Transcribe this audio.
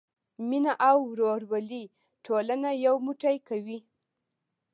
مینه او ورورولي ټولنه یو موټی کوي.